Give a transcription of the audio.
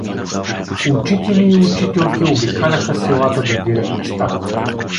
Учители и учителки обикаляха селата да дирят места.